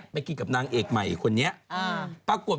ไปกินกันปุ๊บ